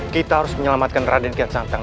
kita harus menyelamatkan raden jaya santang